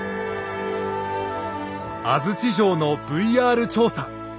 安土城のＶＲ調査。